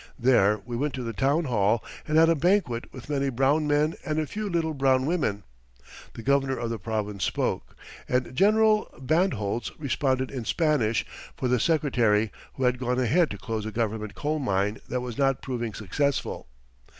There we went to the town hall and had a banquet with many brown men and a few little brown women. The governor of the province spoke, and General Bandholtz responded in Spanish for the Secretary, who had gone ahead to close a government coal mine that was not proving successful.